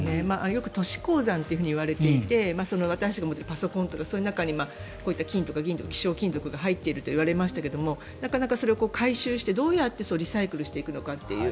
よく都市鉱山ともいわれていて私たちが持っているパソコンとかそういう中に金とか銀とか希少金属が入っているといわれますけどなかなかそれを回収してどうやってリサイクルしていくのかという。